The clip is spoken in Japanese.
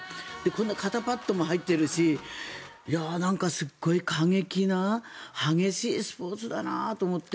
肩パットも入ってるしすごい過激な激しいスポーツだなと思って。